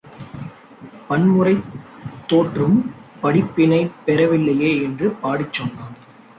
பன்முறை தோற்றும் படிப்பினை பெறவில்லையே என்று பாடிச் சொன்னான்.